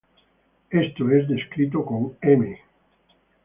eso es descrito con m